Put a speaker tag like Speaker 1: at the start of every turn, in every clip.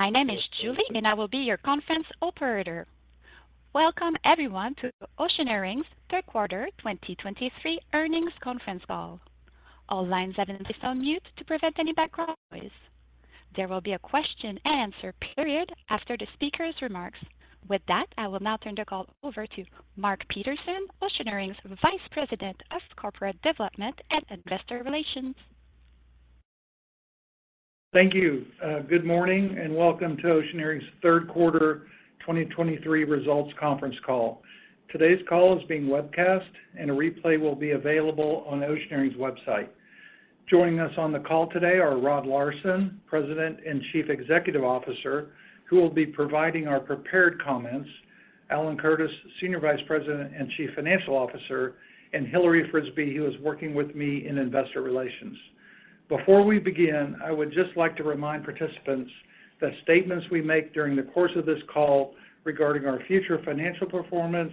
Speaker 1: My name is Julie, and I will be your conference operator. Welcome everyone to Oceaneering's Q3 2023 earnings conference call. All lines are on mute to prevent any background noise. There will be a question and answer period after the speaker's remarks. With that, I will now turn the call over to Mark Peterson, Oceaneering's VP of Corporate Development and Investor Relations.
Speaker 2: Thank you. Good morning, and welcome to Oceaneering's Q3 2023 results conference call. Today's call is being webcast, and a replay will be available on Oceaneering's website. Joining us on the call today are Rod Larson, President and CEO, who will be providing our prepared comments, Alan Curtis, SVP and CFO, and Hilary Frisbie, who is working with me in Investor Relations. Before we begin, I would just like to remind participants that statements we make during the course of this call regarding our future financial performance,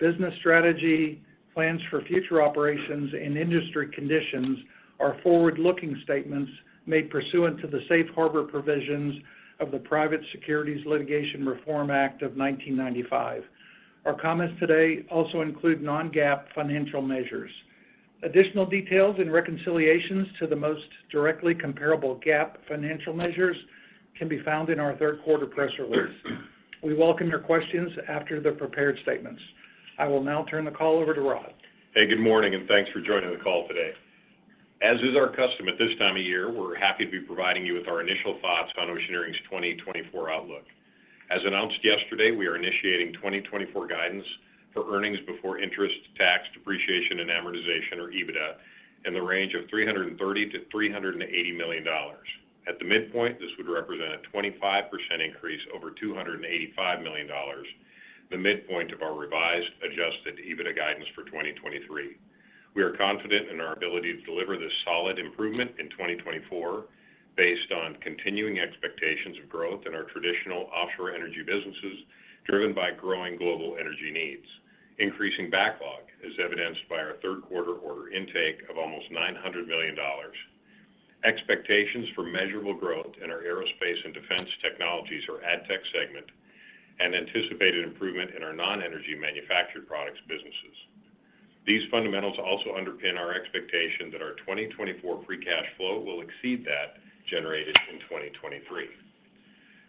Speaker 2: business strategy, plans for future operations, and industry conditions are forward-looking statements made pursuant to the Safe Harbor provisions of the Private Securities Litigation Reform Act of 1995. Our comments today also include non-GAAP financial measures. Additional details and reconciliations to the most directly comparable GAAP financial measures can be found in our Q3 press release. We welcome your questions after the prepared statements. I will now turn the call over to Rod.
Speaker 3: Hey, good morning, and thanks for joining the call today. As is our custom at this time of year, we're happy to be providing you with our initial thoughts on Oceaneering's 2024 outlook. As announced yesterday, we are initiating 2024 guidance for earnings before interest, tax, depreciation, and amortization, or EBITDA, in the range of $330 million-$380 million. At the midpoint, this would represent a 25% increase over $285 million, the midpoint of our revised adjusted EBITDA guidance for 2023. We are confident in our ability to deliver this solid improvement in 2024 based on continuing expectations of growth in our traditional offshore energy businesses, driven by growing global energy needs. Increasing backlog is evidenced by our Q3 order intake of almost $900 million. Expectations for measurable growth in our Aerospace and Defense Technologies, or AdTech segment, and anticipated improvement in our non-energy manufactured products businesses. These fundamentals also underpin our expectation that our 2024 free cash flow will exceed that generated in 2023.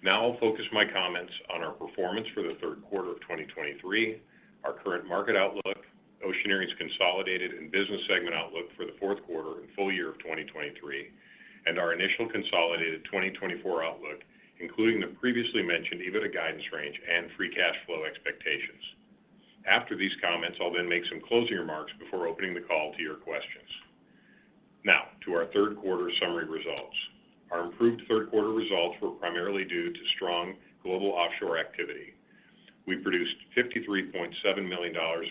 Speaker 3: Now I'll focus my comments on our performance for the Q3 of 2023, our current market outlook, Oceaneering's consolidated and business segment outlook for the Q4 and full year of 2023, and our initial consolidated 2024 outlook, including the previously mentioned EBITDA guidance range and free cash flow expectations. After these comments, I'll then make some closing remarks before opening the call to your questions. Now, to our Q3 summary results. Our improved Q3 results were primarily due to strong global offshore activity. We produced $53.7 million of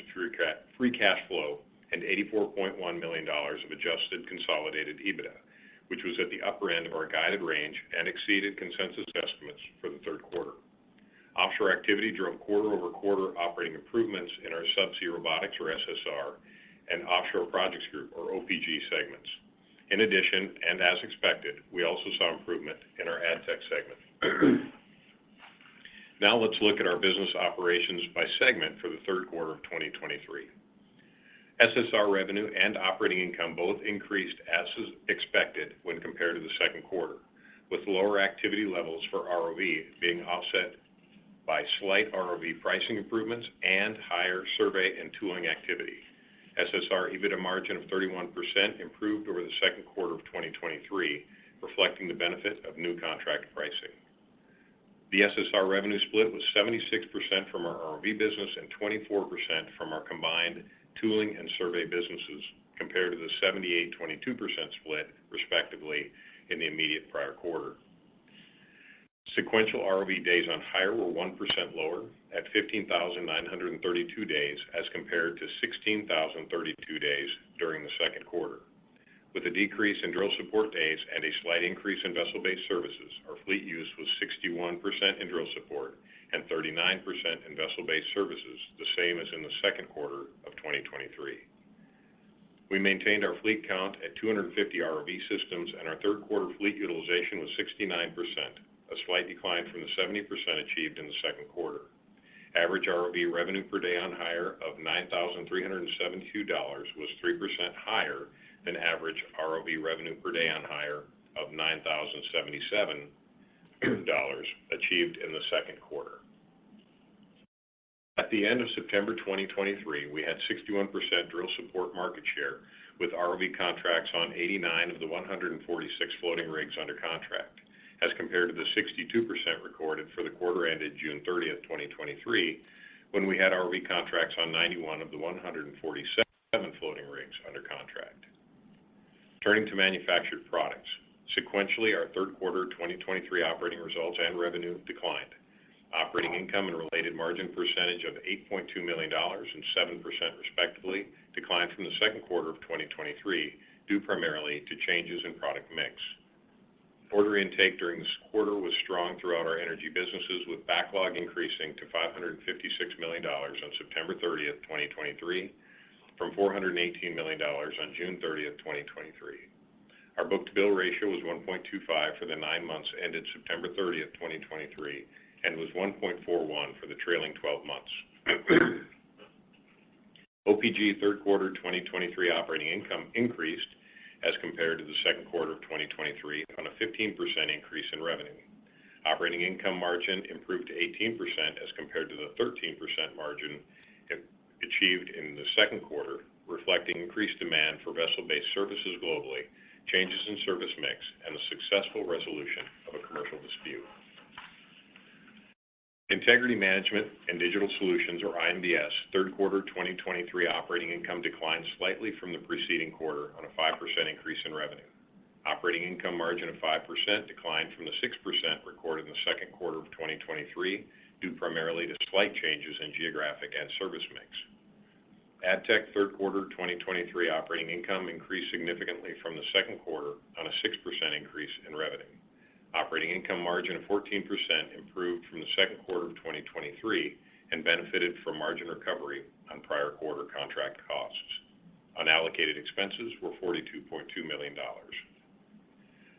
Speaker 3: free cash flow and $84.1 million of adjusted consolidated EBITDA, which was at the upper end of our guided range and exceeded consensus estimates for the Q3. Offshore activity drove quarter-over-quarter operating improvements in our Subsea Robotics, or SSR, and Offshore Projects Group, or OPG, segments. In addition, and as expected, we also saw improvement in our AdTech segment. Now let's look at our business operations by segment for the Q3 of 2023. SSR revenue and operating income both increased as is expected when compared to the Q2, with lower activity levels for ROV being offset by slight ROV pricing improvements and higher survey and tooling activity. SSR EBITDA margin of 31% improved over the Q2 of 2023, reflecting the benefit of new contract pricing. The SSR revenue split was 76% from our ROV business and 24% from our combined tooling and survey businesses, compared to the 78, 22% split, respectively, in the immediate prior quarter. Sequential ROV days on hire were 1% lower at 15,932 days, as compared to 16,032 days during the Q2. With a decrease in drill support days and a slight increase in vessel-based services, our fleet use was 61% in drill support and 39% in vessel-based services, the same as in the Q2 of 2023. We maintained our fleet count at 250 ROV systems, and our Q3 fleet utilization was 69%, a slight decline from the 70% achieved in the Q2. Average ROV revenue per day on hire of $9,372 was 3% higher than average ROV revenue per day on hire of $9,077 achieved in the Q2. At the end of September 2023, we had 61% drill support market share, with ROV contracts on 89 of the 146 floating rigs under contract, as compared to the 62% recorded for the quarter ended June 30, 2023, when we had ROV contracts on 91 of the 147 floating rigs under contract. Turning to manufactured products. Sequentially, our Q3 2023 operating results and revenue declined. Operating income and related margin percentage of $8.2 million and 7% respectively, declined from the Q2 of 2023, due primarily to changes in product mix. Order intake during this quarter was strong throughout our energy businesses, backlog increasing to $556 million on September 13th, 2023, from $418 million on June 13th, 2023. Our book-to-bill ratio was 1.25 for the nine months ended September 13th, 2023, and was 1.41 for the trailing 12 months. OPG Q3 2023 operating income increased as compared to the Q2 of 2023 on a 15% increase in revenue. Operating income margin improved to 18% as compared to the 13% margin achieved in the Q2, reflecting increased demand for vessel-based services globally, changes in service mix, and a successful resolution of a commercial dispute. Integrity Management and Digital Solutions, or IMDS, Q3 2023 operating income declined slightly from the preceding quarter on a 5% increase in revenue. Operating income margin of 5% declined from the 6% recorded in the Q2 of 2023, due primarily to slight changes in geographic and service mix. AdTech Q3 2023 operating income increased significantly from the Q2 on a 6% increase in revenue. Operating income margin of 14% improved from the Q2 of 2023 and benefited from margin recovery on prior quarter contract costs. Unallocated expenses were $42.2 million.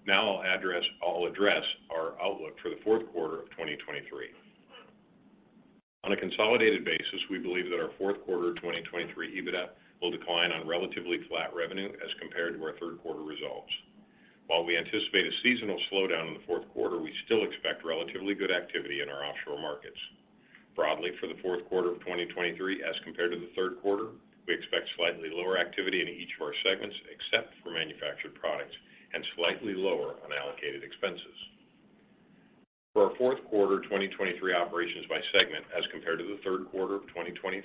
Speaker 3: Now I'll address, I'll address our outlook for the Q4 of 2023. On a consolidated basis, we believe that our Q4 2023 EBITDA will decline on relatively flat revenue as compared to our Q3 results. While we anticipate a seasonal slowdown in the Q4, we still expect relatively good activity in our offshore markets. Broadly, for the Q4 of 2023, as compared to the Q3, we expect slightly lower activity in each of our segments, except for manufactured products, and slightly lower on allocated expenses. For our Q4 2023 operations by segment as compared to the Q3 of 2023,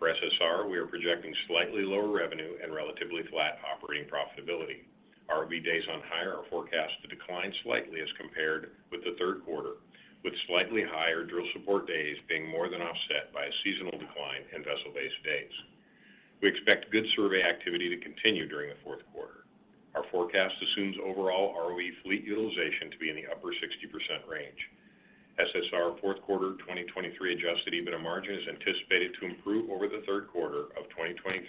Speaker 3: for SSR, we are projecting slightly lower revenue and relatively flat operating profitability. ROV days on hire are forecast to decline slightly as compared with the Q3, with slightly higher drill support days being more than offset by a seasonal decline in vessel-based days. We expect good survey activity to continue during the Q4. Our forecast assumes overall ROV fleet utilization to be in the upper 60% range. SSR Q4 2023 adjusted EBITDA margin is anticipated to improve over the Q3 of 2023,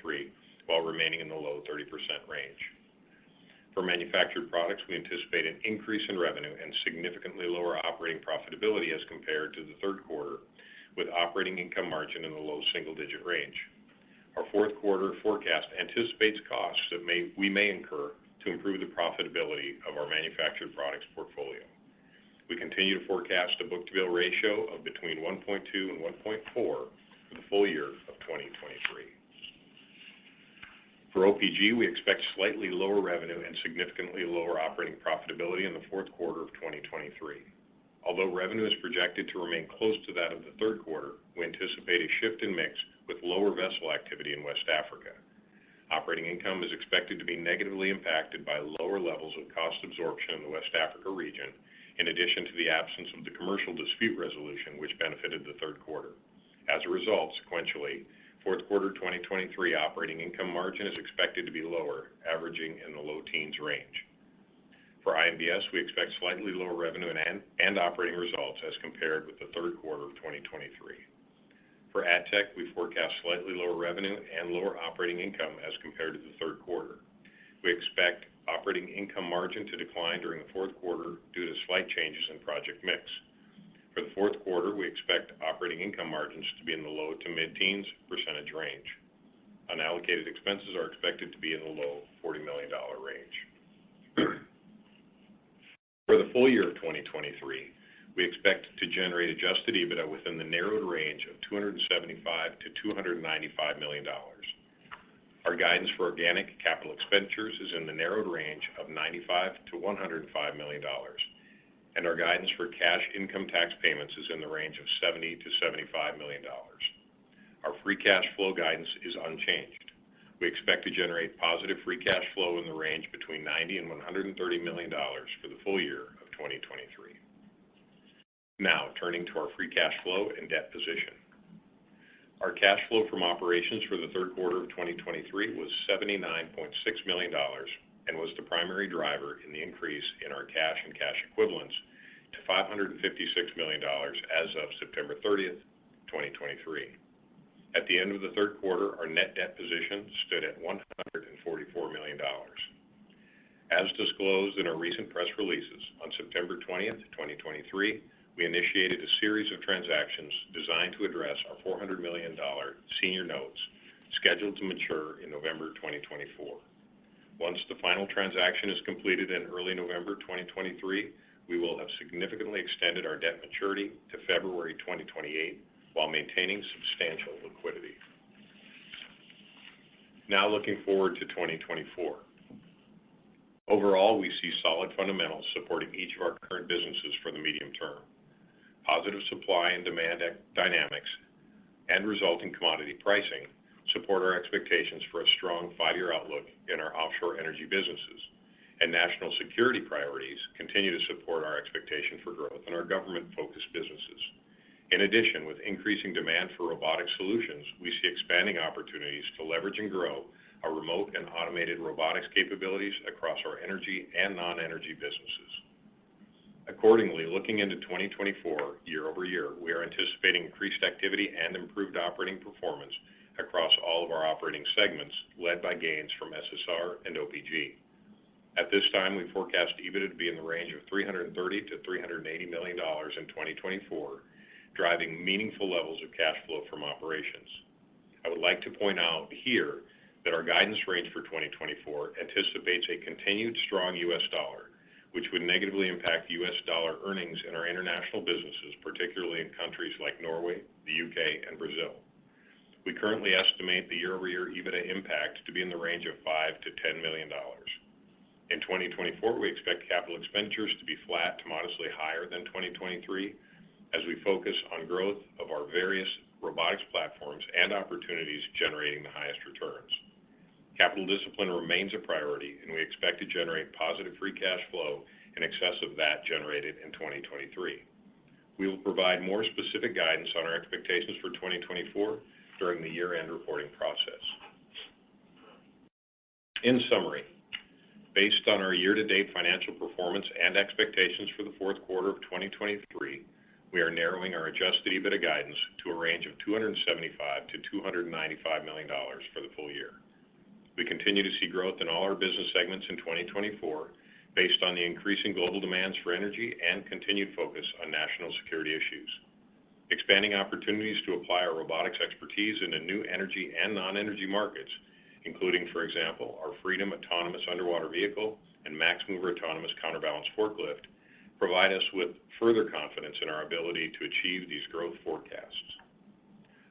Speaker 3: while remaining in the low 30% range. For manufactured products, we anticipate an increase in revenue and significantly lower operating profitability as compared to the Q3, with operating income margin in the low single-digit range. Our Q4 forecast anticipates costs that we may incur to improve the profitability of our manufactured products portfolio. We continue to forecast a book-to-bill ratio of between 1.2 and 1.4 for the full year of 2023. For OPG, we expect slightly lower revenue and significantly lower operating profitability in the Q4 of 2023. Although revenue is projected to remain close to that of the Q3, we anticipate a shift in mix with lower vessel activity in West Africa. Operating income is expected to be negatively impacted by lower levels of cost absorption in the West Africa region, in addition to the absence of the commercial dispute resolution, which benefited the Q3. As a result, sequentially, Q4 2023 operating income margin is expected to be lower, averaging in the low teens range. For IMDS, we expect slightly lower revenue and operating results as compared with the Q3 of 2023. For AdTech, we forecast slightly lower revenue and lower operating income as compared to the Q3. We expect operating income margin to decline during the Q4 due to slight changes in project mix. For the Q4, we expect operating income margins to be in the low to mid-teens percentage range. Unallocated expenses are expected to be in the low $40 million range. For the full year of 2023, we expect to generate adjusted EBITDA within the narrowed range of $275 million-$295 million. Our guidance for organic capital expenditures is in the narrowed range of $95-$105 million, and our guidance for cash income tax payments is in the range of $70-$75 million. Our free cash flow guidance is unchanged. We expect to generate positive free cash flow in the range between $90 and $130 million for the full year of 2023. Now, turning to our free cash flow and debt position. Our cash flow from operations for the Q3 of 2023 was $79.6 million and was the primary driver in the increase in our cash and cash equivalents to $556 million as of September 30, 2023. At the end of the Q3, our net debt position stood at $144 million. As disclosed in our recent press releases, on September 20, 2023, we initiated a series of transactions designed to address our $400 million senior notes, scheduled to mature in November 2024. Once the final transaction is completed in early November 2023, we will have significantly extended our debt maturity to February 2028, while maintaining substantial liquidity. Now looking forward to 2024. Overall, we see solid fundamentals supporting each of our current businesses for the medium term. Positive supply and demand dynamics and resulting commodity pricing support our expectations for a strong five-year outlook in our offshore energy businesses, and national security priorities continue to support our expectation for growth in our government-focused businesses. In addition, with increasing demand for robotic solutions, we see expanding opportunities to leverage and grow our remote and automated robotics capabilities across our energy and non-energy businesses. Accordingly, looking into 2024, year-over-year, we are anticipating increased activity and improved operating performance across all of our operating segments, led by gains from SSR and OPG. At this time, we forecast EBITDA to be in the range of $330 million-$380 million in 2024, driving meaningful levels of cash flow from operations. I would like to point out here that our guidance range for 2024 anticipates a continued strong U.S. dollar, which would negatively impact U.S. dollar earnings in our international businesses, particularly in countries like Norway, the U.K., and Brazil. We currently estimate the year-over-year EBITDA impact to be in the range of $5 million-$10 million. In 2024, we expect capital expenditures to be flat to modestly higher than 2023, as we focus on growth of our various robotics platforms and opportunities generating the highest returns. Capital discipline remains a priority, and we expect to generate positive free cash flow in excess of that generated in 2023. We will provide more specific guidance on our expectations for 2024 during the year-end reporting process. In summary, based on our year-to-date financial performance and expectations for the Q4 of 2023, we are narrowing our adjusted EBITDA guidance to a range of $275 million-$295 million for the full year. We continue to see growth in all our business segments in 2024, based on the increasing global demands for energy and continued focus on national security issues. Expanding opportunities to apply our robotics expertise into new energy and non-energy markets, including, for example, our Freedom autonomous underwater vehicle and MaxMover autonomous counterbalance forklift, provide us with further confidence in our ability to achieve these growth forecasts.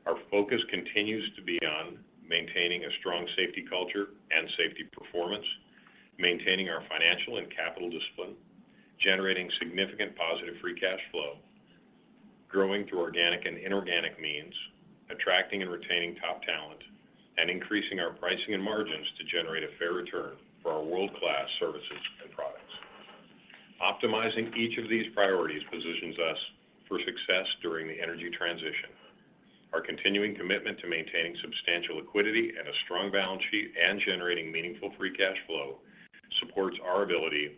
Speaker 3: Our focus continues to be on maintaining a strong safety culture and safety performance, maintaining our financial and capital discipline, generating significant positive free cash flow, growing through organic and inorganic means, attracting and retaining top talent, and increasing our pricing and margins to generate a fair return for our world-class services and products. Optimizing each of these priorities positions us for success during the energy transition. Our continuing commitment to maintaining substantial liquidity and a strong balance sheet and generating meaningful free cash flow supports our ability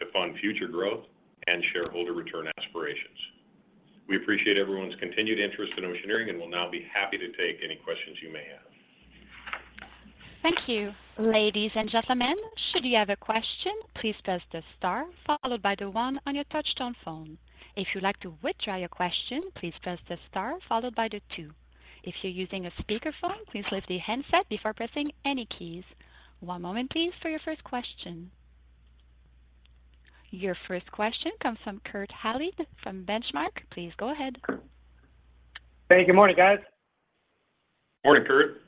Speaker 3: to fund future growth and shareholder return aspirations. We appreciate everyone's continued interest in Oceaneering and will now be happy to take any questions you may have.
Speaker 1: Thank you. Ladies and gentlemen, should you have a question, please press the star followed by the one on your touchtone phone. If you'd like to withdraw your question, please press the star followed by the two. If you're using a speakerphone, please lift the handset before pressing any keys. One moment, please, for your first question. Your first question comes from Kurt Hallead from Benchmark. Please go ahead.
Speaker 4: Hey, good morning, guys.
Speaker 3: Morning, Kurt.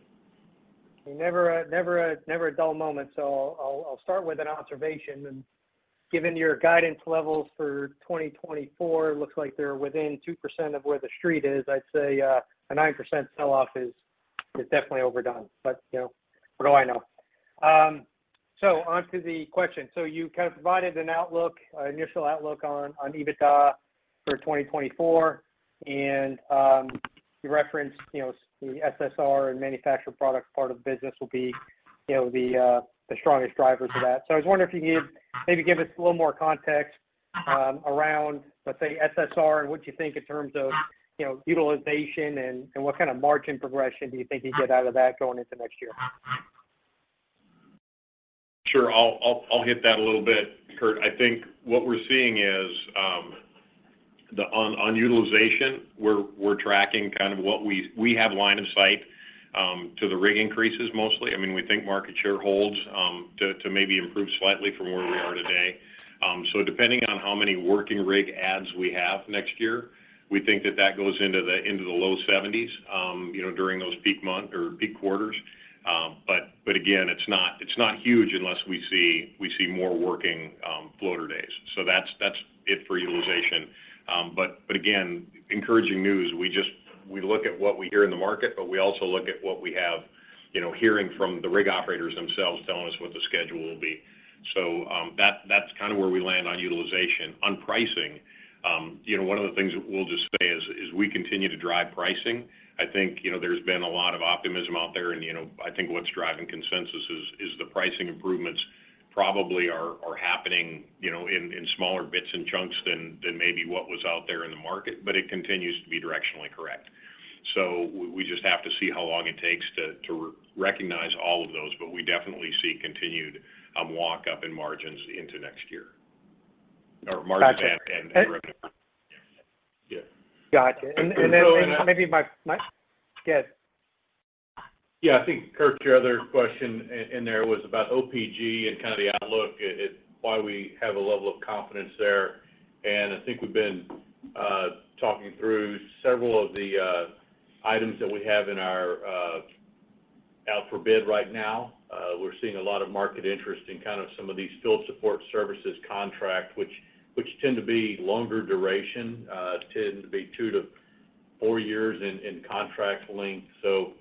Speaker 4: Never a dull moment. So I'll start with an observation, and given your guidance levels for 2024, it looks like they're within 2% of where the street is. I'd say, a 9% sell-off is definitely overdone, but, you know, what do I know? So on to the question. So you kind of provided an outlook, initial outlook on EBITDA for 2024, and you referenced, you know, the SSR and manufactured products part of the business will be, you know, the strongest driver to that. So I was wondering if you could maybe give us a little more context, around, let's say, SSR and what you think in terms of, you know, utilization and what kind of margin progression do you think you'd get out of that going into next year?
Speaker 3: Sure. I'll hit that a little bit, Kurt. I think what we're seeing is the on utilization. We're tracking kind of what we have line of sight to the rig increases, mostly. I mean, we think market share holds to maybe improve slightly from where we are today. So depending on how many working rig adds we have next year, we think that goes into the low 70s, you know, during those peak month or peak quarters. But again, it's not huge unless we see more working floater days. So that's it for utilization. But again, encouraging news. We just look at what we hear in the market, but we also look at what we have, you know, hearing from the rig operators themselves, telling us what the schedule will be. So, that, that's kind of where we land on utilization. On pricing, you know, one of the things we'll just say is we continue to drive pricing. I think, you know, there's been a lot of optimism out there, and, you know, I think what's driving consensus is the pricing improvements probably are happening, you know, in smaller bits and chunks than maybe what was out there in the market, but it continues to be directionally correct. So we just have to see how long it takes to recognize all of those, but we definitely see continued walk up in margins into next year. Or margins and, and-
Speaker 4: Gotcha.
Speaker 3: Yeah.
Speaker 4: Gotcha.
Speaker 5: Yeah, I think, Kurt, your other question in there was about OPG and kind of the outlook, it's why we have a level of confidence there. And I think we've been talking through several of the items that we have in our out for bid right now. We're seeing a lot of market interest in kind of some of these field support services contract, which tend to be longer duration, tend to be 2-4 years in contract length. So,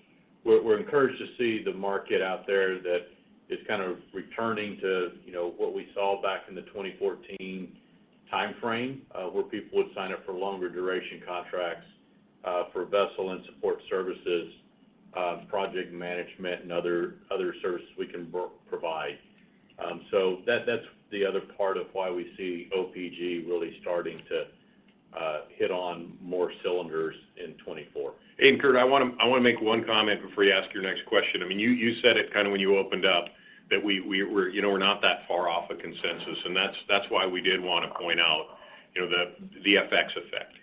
Speaker 5: we're encouraged to see the market out there that is kind of returning to, you know, what we saw back in the 2014 timeframe, where people would sign up for longer duration contracts, for vessel and support services, project management, and other services we can provide. So that's the other part of why we see OPG really starting to hit on more cylinders in 2024.
Speaker 3: Kurt, I wanna, I wanna make one comment before you ask your next question. I mean, you, you said it kind of when you opened up, that we, we, we're, you know, we're not that far off of consensus, and that's, that's why we did want to point out, you know, the, the FX effect.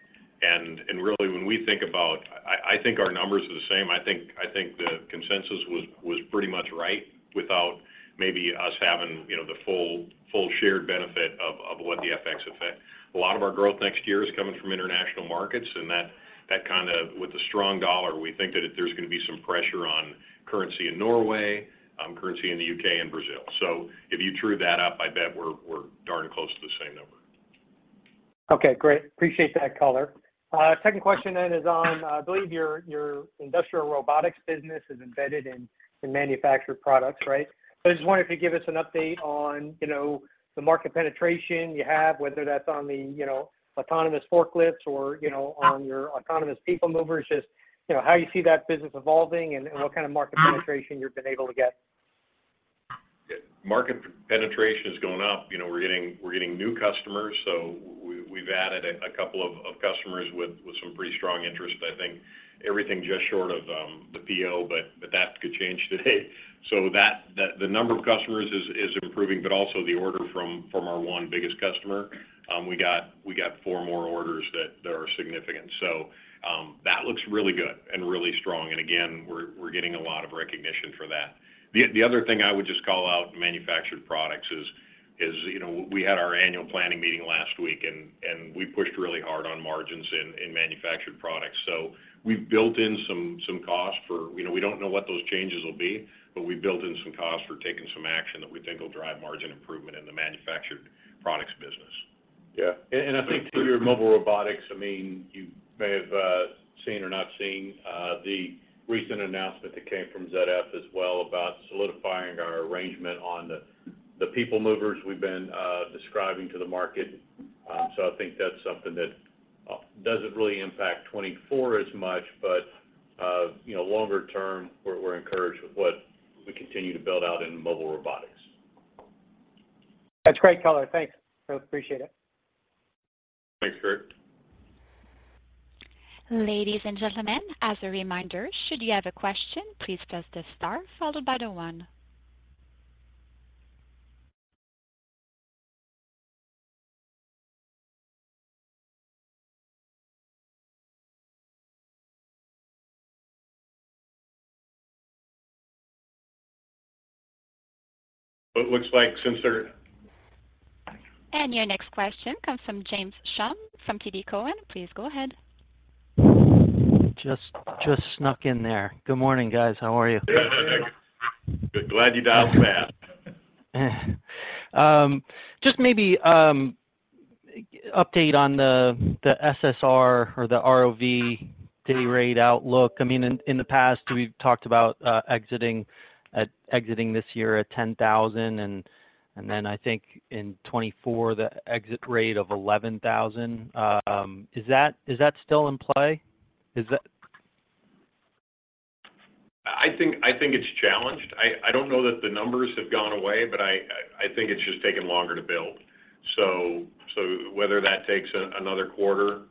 Speaker 3: And really, when we think about... I, I think our numbers are the same. I think, I think the consensus was, was pretty much right, without maybe us having, you know, the full, full shared benefit of, of what the FX effect. A lot of our growth next year is coming from international markets, and that, that kind of with the strong dollar, we think that if there's gonna be some pressure on currency in Norway, currency in the U.K., and Brazil. So if you true that up, I bet we're darn close to the same number.
Speaker 4: Okay, great. Appreciate that color. Second question then is on, I believe your industrial robotics business is embedded in manufactured products, right? So I just wondered if you give us an update on, you know, the market penetration you have, whether that's on the, you know, autonomous forklifts or, you know, on your autonomous people movers. Just, you know, how you see that business evolving and what kind of market penetration you've been able to get?
Speaker 3: Yeah. Market penetration is going up. You know, we're getting new customers, so we've added a couple of customers with some pretty strong interest. I think everything just short of the PO, but that could change today. So the number of customers is improving, but also the order from our one biggest customer, we got four more orders that are significant. So that looks really good and really strong. And again, we're getting a lot of recognition for that. The other thing I would just call out in manufactured products is, you know, we had our annual planning meeting last week, and we pushed really hard on margins in manufactured products. So we've built in some costs for... You know, we don't know what those changes will be, but we built in some costs for taking some action that we think will drive margin improvement in the manufactured products business.
Speaker 5: Yeah. And, and I think to your mobile robotics, I mean, you may have seen or not seen the recent announcement that came from ZF as well, about solidifying our arrangement on the, the people movers we've been describing to the market. So I think that's something that doesn't really impact 2024 as much, but you know, longer term, we're, we're encouraged with what we continue to build out in mobile robotics.
Speaker 4: That's great color. Thanks. Really appreciate it.
Speaker 3: Thanks, Kurt.
Speaker 1: Ladies and gentlemen, as a reminder, should you have a question, please press the star followed by the one.
Speaker 3: It looks like since they're-
Speaker 1: Your next question comes from James Schumm from TD Cowen. Please go ahead.
Speaker 6: Just snuck in there. Good morning, guys. How are you?
Speaker 3: Good. Glad you dialed fast.
Speaker 6: Just maybe, update on the SSR or the ROV day rate outlook. I mean, in the past, we've talked about exiting this year at $10,000, and then I think in 2024, the exit rate of $11,000. Is that still in play? Is that-
Speaker 3: I think it's challenged. I don't know that the numbers have gone away, but I think it's just taking longer to build. So whether that takes another quarter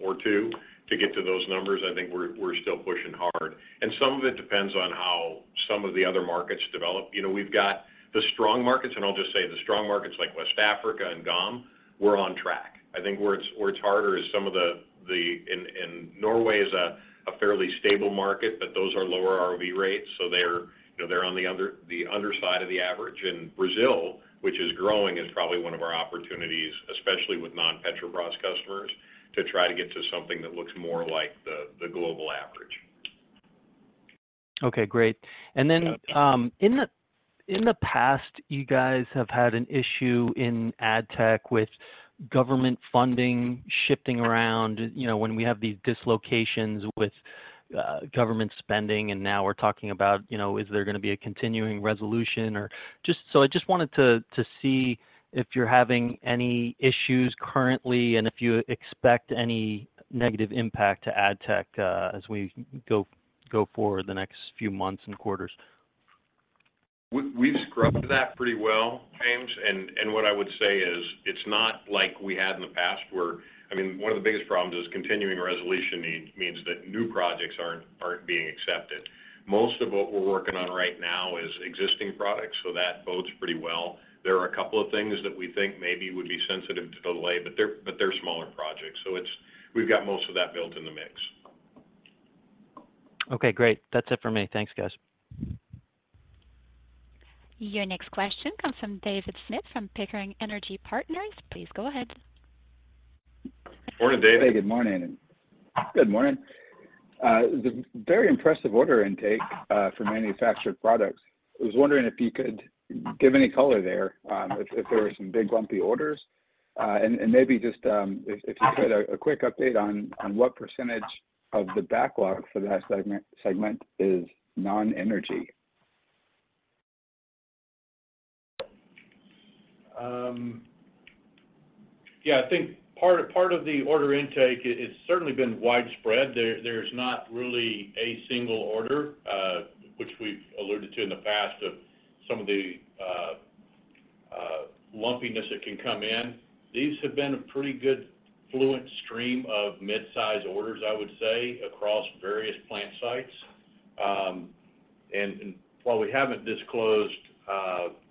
Speaker 3: or two to get to those numbers, I think we're still pushing hard. And some of it depends on how some of the other markets develop. You know, we've got the strong markets, and I'll just say the strong markets like West Africa and Guyana, we're on track. I think where it's harder is some of the... In Norway is a fairly stable market, but those are lower ROV rates, so they're, you know, they're on the underside of the average. Brazil, which is growing, is probably one of our opportunities, especially with non-Petrobras customers, to try to get to something that looks more like the global average.
Speaker 6: Okay, great.
Speaker 3: Yeah.
Speaker 6: And then, in the past, you guys have had an issue in AdTech with government funding shifting around. You know, when we have these dislocations with government spending, and now we're talking about, you know, is there gonna be a continuing resolution or... Just, so I just wanted to see if you're having any issues currently, and if you expect any negative impact to AdTech, as we go forward the next few months and quarters.
Speaker 3: We've scrubbed that pretty well, James, and what I would say is, it's not like we had in the past where-- I mean, one of the biggest problems is continuing resolution means that new projects aren't being accepted. Most of what we're working on right now is existing products, so that bodes pretty well. There are a couple of things that we think maybe would be sensitive to delay, but they're smaller projects, so it's-- We've got most of that built in the mix.
Speaker 6: Okay, great. That's it for me. Thanks, guys.
Speaker 1: Your next question comes from David Smith from Pickering Energy Partners. Please go ahead.
Speaker 3: Morning, David.
Speaker 7: Hey, good morning. Good morning. The very impressive order intake for manufactured products. I was wondering if you could give any color there, if there were some big, lumpy orders? And maybe just, if you could, a quick update on what percentage of the backlog for that segment is non-energy?
Speaker 5: Yeah, I think part of the order intake, it's certainly been widespread. There's not really a single order, which we've alluded to in the past of some of the lumpiness that can come in. These have been a pretty good fluent stream of mid-size orders, I would say, across various plant sites. And while we haven't disclosed,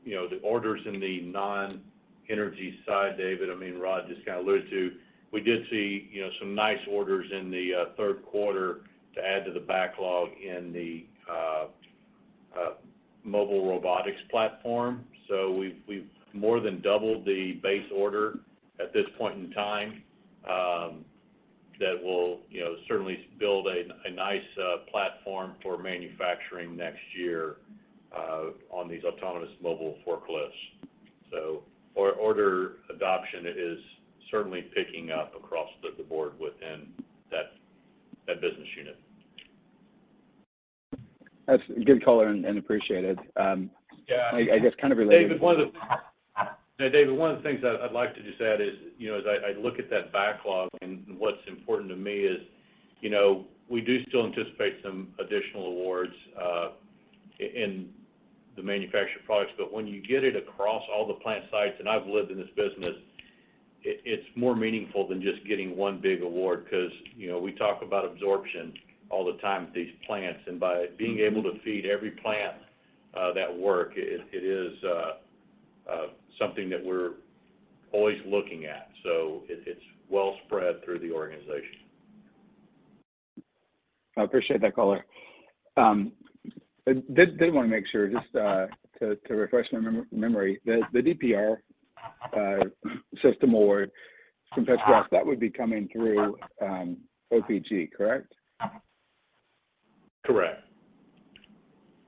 Speaker 5: you know, the orders in the non-energy side, David, I mean, Rod just kind of alluded to, we did see, you know, some nice orders in the Q3 to add to the backlog in the mobile robotics platform. So we've more than doubled the base order at this point in time, that will, you know, certainly build a nice platform for manufacturing next year, on these autonomous mobile forklifts. Order adoption is certainly picking up across the board within that business unit.
Speaker 7: That's good color and appreciated.
Speaker 5: Yeah.
Speaker 7: I guess kind of related-
Speaker 5: David, one of the... Yeah, David, one of the things I'd like to just add is, you know, as I look at that backlog and what's important to me is, you know, we do still anticipate some additional awards in the manufactured products. But when you get it across all the plant sites, and I've lived in this business, it's more meaningful than just getting one big award. Because, you know, we talk about absorption all the time at these plants, and by being able to feed every plant that work, it is something that we're always looking at. So it's well spread through the organization.
Speaker 7: I appreciate that color. Did want to make sure, just to refresh my memory, the DPR system award from Petrobras, that would be coming through OPG, correct?
Speaker 5: Correct.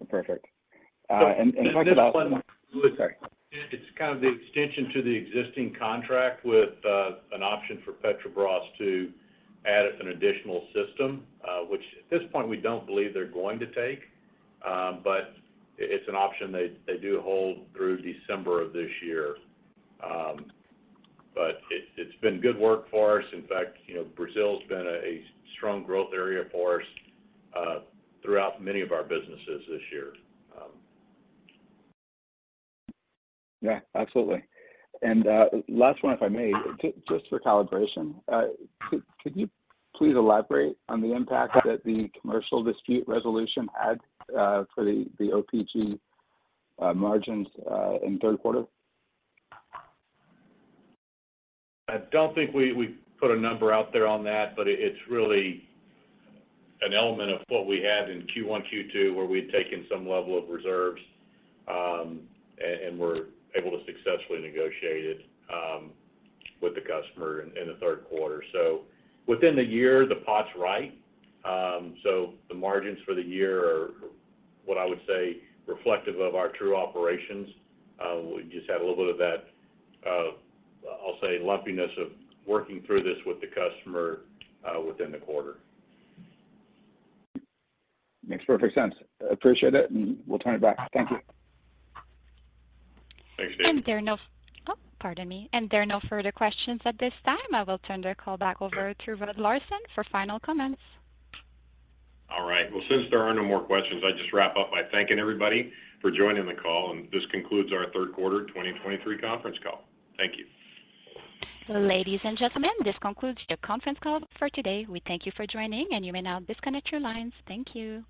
Speaker 7: Perfect. And like I-
Speaker 5: And this one-
Speaker 7: Sorry.
Speaker 5: It's kind of the extension to the existing contract with an option for Petrobras to add an additional system, which at this point, we don't believe they're going to take. But it, it's an option they, they do hold through December of this year. But it's, it's been good work for us. In fact, you know, Brazil has been a strong growth area for us throughout many of our businesses this year.
Speaker 7: Yeah, absolutely. And last one, if I may, just for calibration. Could you please elaborate on the impact that the commercial dispute resolution had for the OPG margins in Q3?
Speaker 5: I don't think we put a number out there on that, but it's really an element of what we had in Q1, Q2, where we had taken some level of reserves, and we're able to successfully negotiate it with the customer in the Q3. So within the year, the pot's right. So the margins for the year are what I would say, reflective of our true operations. We just had a little bit of that, I'll say, lumpiness of working through this with the customer, within the quarter.
Speaker 7: Makes perfect sense. I appreciate it, and we'll turn it back. Thank you.
Speaker 5: Thanks, David.
Speaker 1: There are no further questions at this time. I will turn the call back over to Rod Larson for final comments.
Speaker 5: All right. Well, since there are no more questions, I'll just wrap up by thanking everybody for joining the call, and this concludes our Q3 2023 conference call. Thank you.
Speaker 1: Ladies and gentlemen, this concludes the conference call for today. We thank you for joining, and you may now disconnect your lines. Thank you.